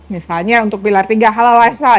misalnya untuk pilar tiga halal